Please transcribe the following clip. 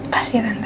pasti ya tante